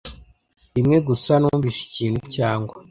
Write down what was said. rimwe gusa, numvise ikintu cyangwa